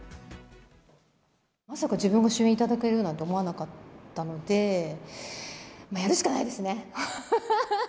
まさか自分が主演頂けるなんて思わなかったので、やるしかないですね。